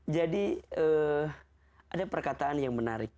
jadi ada perkataan yang menarik